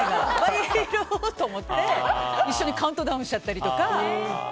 いっぱいいると思って一緒にカウントダウンしちゃったりとか。